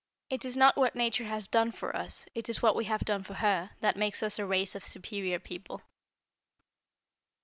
It is not what Nature has done for us, it is what we have done for her, that makes us a race of superior people."